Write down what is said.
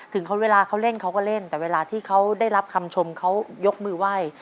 เวลาเขาเล่นเขาก็เล่นแต่เวลาที่เขาได้รับคำชมเขายกมือไหว้